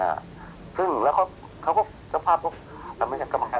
อ่าซึ่งแล้วเขาเขาก็เจ้าภาพก็อ่าไม่ใช่กรรมการ